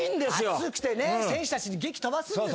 熱くてね選手たちにげき飛ばすんですよ。